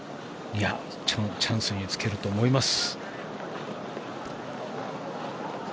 チャンスにつけると思います。